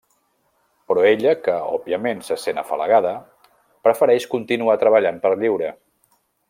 Però ella, que òbviament se sent afalagada, prefereix continuar treballant per lliure.